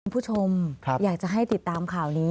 คุณผู้ชมอยากจะให้ติดตามข่าวนี้